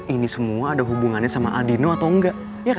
ini semua ada hubungannya sama adino atau enggak